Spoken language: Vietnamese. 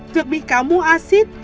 việc bị cáo mua axit